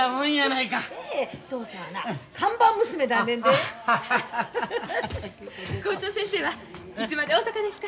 いつまで大阪ですか？